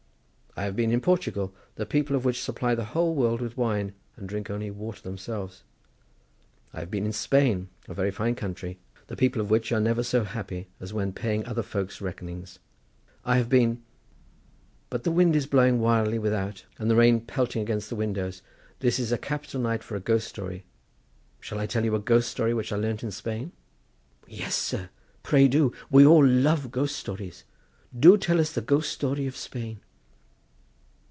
I have been in Portugal, the people of which supply the whole world with wine, and drink only water themselves. I have been in Spain, a very fine country, the people of which are never so happy as when paying other folks' reckonings. I have been—but the wind is blowing wildly without, and the rain pelting against the windows;—this is a capital night for a ghost story: shall I tell you a ghost story which I learnt in Spain?" "Yes, sir, pray do; we all love ghost stories. Do tell us the ghost story of Spain."